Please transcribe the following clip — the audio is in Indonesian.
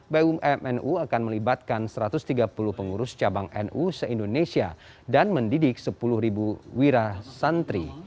bumnu akan melibatkan satu ratus tiga puluh pengurus cabang nu se indonesia dan mendidik sepuluh wira santri